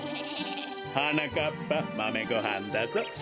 はなかっぱまめごはんだぞ。